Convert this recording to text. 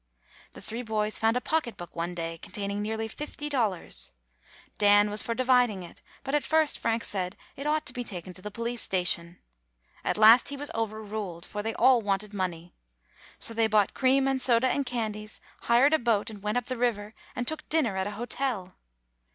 The three boys found a pocketbook one day, containing nearly fifty dollars. Dan was for dividing it, but at first Frank said it ought to be taken to the police station. At last he was overruled, for they all wanted money. So they bought cream and soda and candies, hired a boat, and went up the river and took dinner at a hotel.